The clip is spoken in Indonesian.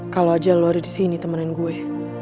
kalau aja lo ada disini temenin gue